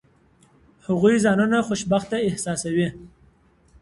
هغوی ځانونه خوشبخته احساسوي.